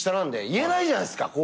言えないじゃないですか後輩に。